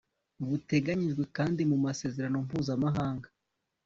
buteganyijwe kandi mu masezerano mpuzamahanga